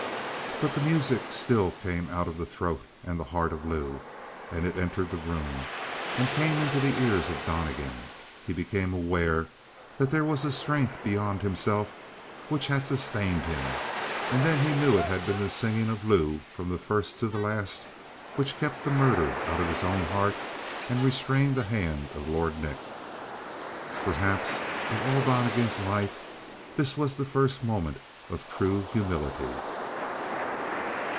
But the music still came out of the throat and the heart of Lou, and it entered the room and came into the ears of Donnegan. He became aware that there was a strength beyond himself which had sustained him, and then he knew it had been the singing of Lou from first to last which had kept the murder out of his own heart and restrained the hand of Lord Nick. Perhaps of all Donnegan's life, this was the first moment of true humility.